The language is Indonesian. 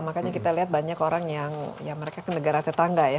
makanya kita lihat banyak orang yang ya mereka kan negara tetangga ya